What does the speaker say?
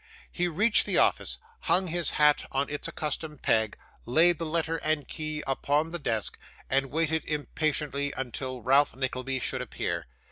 He reached the office, hung his hat on its accustomed peg, laid the letter and key upon the desk, and waited impatiently until Ralph Nickleby should appear.